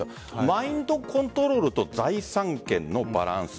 マインドコントロールと財産権のバランス。